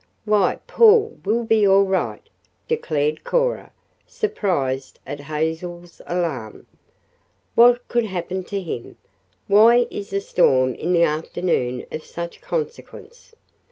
"Why, Paul will be all right," declared Cora, surprised at Hazel's alarm. "What could happen to him? Why is a storm in the afternoon of such consequence?"